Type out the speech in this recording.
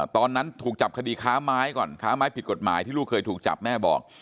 ตอนนั้นถูกจับคดีค้าไม้ก่อนค้าไม้ผิดกฎหมายที่ลูกเคยถูกจับแม่บอก